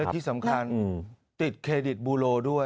ที่สำคัญติดเครดิตบูโลด้วย